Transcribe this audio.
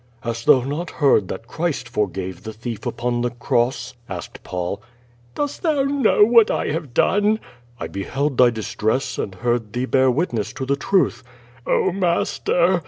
Hast thou not heard that Christ forgave the thief upon the cross?" asked Paul. "Dost thou know what I have done?" "I beheld thv distress, and heard thee bear witness to the truth." "Oh, master!''